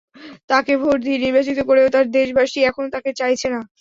তাঁকে ভোট দিয়ে নির্বাচিত করেও তাঁর দেশবাসী এখন তাঁকে চাইছে না।